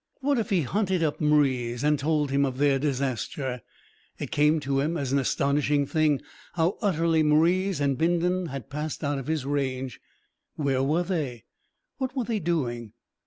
What if he hunted up Mwres and told him of their disaster? It came to him as an astonishing thing how utterly Mwres and Bindon had passed out of his range. Where were they? What were they doing?